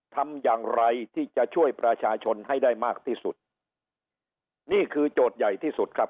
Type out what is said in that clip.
ทำอย่างไรที่จะช่วยประชาชนให้ได้มากที่สุดนี่คือโจทย์ใหญ่ที่สุดครับ